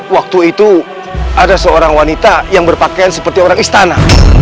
waktu itu ada seorang wanita yang berpakaian seperti orang istana